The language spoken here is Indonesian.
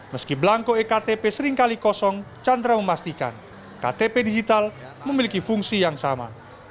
meski belangko ektp seringkali kosong chandra memastikan ktp digital memiliki fungsi yang sama